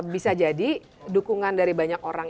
bisa jadi dukungan dari banyak orang